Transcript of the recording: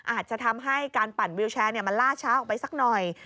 อาจจะทำให้การปั่นวิวแชร์มันล่าช้าออกไปสักหน่อย